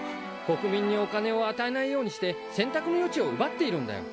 国民にお金を与えないようにして選択の余地を奪っているんだよ。